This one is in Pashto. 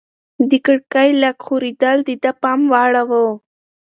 د کړکۍ لږ ښورېدل د ده پام واړاوه.